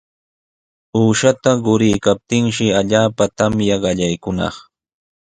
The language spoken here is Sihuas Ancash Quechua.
Uqshata quriykaptinshi allaapa tamya qallaykunaq.